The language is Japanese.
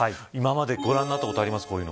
今までご覧になったことありますか。